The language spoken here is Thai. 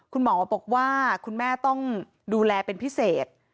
คุณหมอบอกว่าคุณแม่ต้องดูแลเป็นพิเศษ